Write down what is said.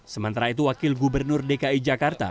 sementara itu wakil gubernur dki jakarta